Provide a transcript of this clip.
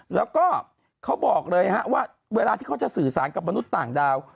แล้วก็เขาบอกเลยว่าเวลาที่เขาจะสื่อสารกับมนุษย์ต่างดาว